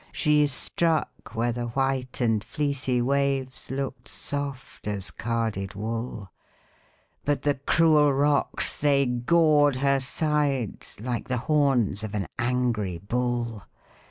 She struck where the white and fleecy waves Look'd soft as carded wool, But the cruel rocks, they gored her sides Like the horns of an angry bull.